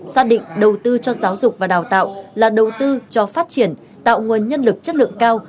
xác định đầu tư cho giáo dục và đào tạo là đầu tư cho phát triển tạo nguồn nhân lực chất lượng cao